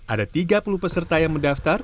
ada tiga puluh peserta yang mendaftar